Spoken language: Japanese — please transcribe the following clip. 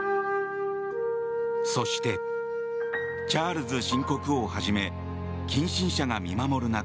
そして、チャールズ新国王はじめ近親者が見守る中